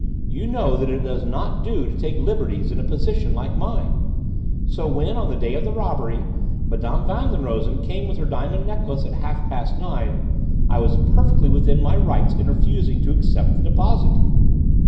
You know that it does not do to take liberties in a position like mine. So when, on the day of the robbery, Mme. Van den Rosen came with her diamond necklace at half past nine, I was perfectly within my rights in refusing to accept the deposit."